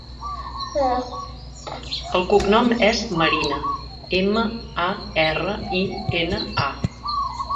El cognom és Marina: ema, a, erra, i, ena, a.